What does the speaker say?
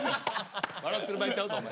笑ってる場合ちゃうぞお前。